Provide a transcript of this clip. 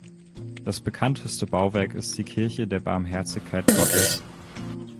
Das bekannteste Bauwerk ist die Kirche der Barmherzigkeit Gottes.